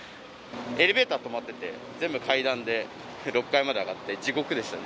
エレベーター止まってて、全部会談で６階まで上がって地獄でしたね。